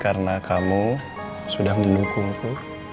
karena kamu sudah mendukungku